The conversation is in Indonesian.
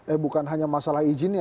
eh bukan hanya masalah izinnya